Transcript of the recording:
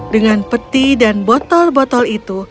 dengan peti dan botol botol itu